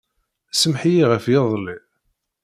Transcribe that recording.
Sameḥ-iyi ɣef yiḍelli.